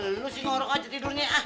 lu sih ngorok aja tidurnya